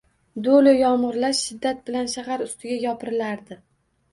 Do’lu yomg’irlar shiddat bilan shahar ustiga yopirilardi.